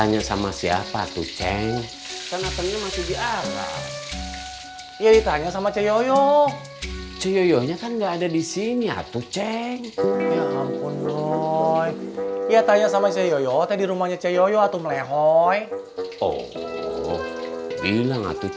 ya ditanya sama yo yo yo jadi rimp captions